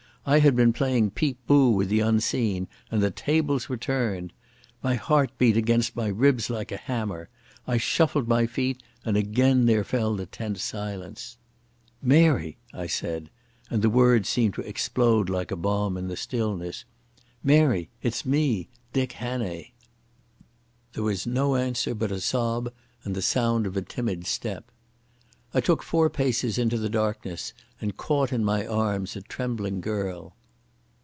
I had been playing peep bo with the unseen, and the tables were turned. My heart beat against my ribs like a hammer. I shuffled my feet, and again there fell the tense silence. "Mary," I said—and the word seemed to explode like a bomb in the stillness—"Mary! It's me—Dick Hannay." There was no answer but a sob and the sound of a timid step. I took four paces into the darkness and caught in my arms a trembling girl....